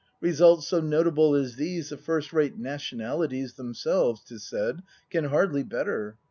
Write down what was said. Results so notable as these The first rate Nationalities Themselves, 'tis said, can hardly better.